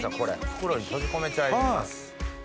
袋に閉じ込めちゃいます。